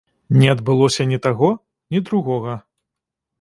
Не адбылося ні таго, ні другога.